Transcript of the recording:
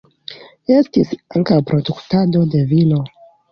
Estis ankaŭ produktado de vino.